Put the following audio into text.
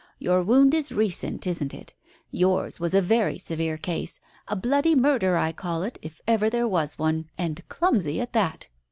"Your wound is recent, isn't it? Yours was a very severe case ! A bloody murder, I call it, if ever there was one, and clumsy at that